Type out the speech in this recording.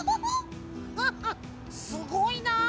ハハッすごいな。